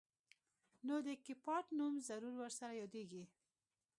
نو د کيپات نوم ضرور ورسره يادېږي.